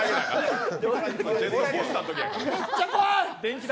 めっちゃ怖い。